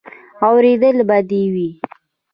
اورېدلې به دې وي.